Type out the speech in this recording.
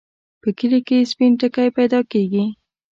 په کلي کې سپين ټکی پیدا کېږي.